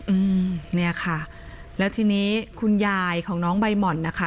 อืมเนี่ยค่ะแล้วทีนี้คุณยายของน้องใบหม่อนนะคะ